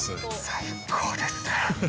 最高ですね。